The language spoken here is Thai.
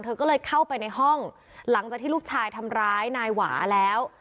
เธอก็เลยเข้าไปในห้องหลังจากที่ลูกชายทำร้ายนายหวาแล้ว